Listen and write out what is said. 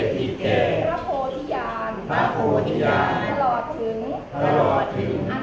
พระโภธิยานตลอดถึง